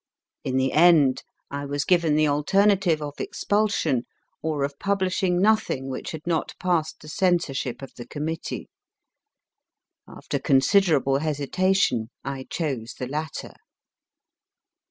In the end I was given the alternative of expulsion or of publishing nothing which had not passed the censorship of the committee. After considerable hesitation I chose the latter.